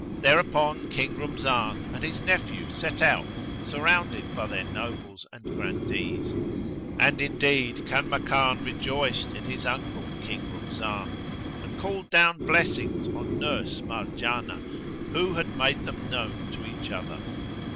Thereupon King Rumzan and his nephew set out, surrounded by their Nobles and Grandees; and indeed Kanmakan rejoiced in his uncle, King Rumzan, and called down blessings on nurse Marjanah who had made them known to each other.